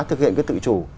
thực hiện cái tự chủ